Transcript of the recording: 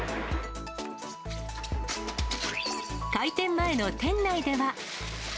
開店前の店内では。